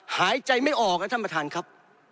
หายใจไม่ออกนะท่านประธานครับ